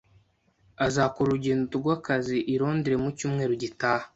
Azakora urugendo rwakazi i Londres mu cyumweru gitaha